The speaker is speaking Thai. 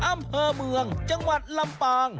อำเภอเมืองจังหวัดลำปาง